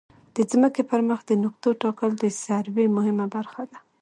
د ځمکې پر مخ د نقطو ټاکل د سروې مهمه برخه ده